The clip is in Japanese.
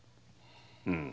うん。